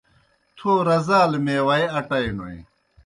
تھو رزالہ میوائے اٹائینوئے۔